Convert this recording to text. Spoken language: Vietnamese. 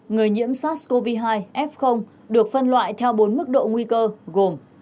người nhiễm sars cov hai f được phân loại theo bốn mức độ nguy cơ gồm